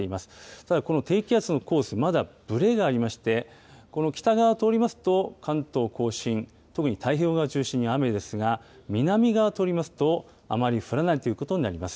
ただ、この低気圧のコース、まだぶれがありまして、この北側を通りますと、関東甲信、特に太平洋側を中心に雨ですが、南側通りますと、あまり降らないということになります。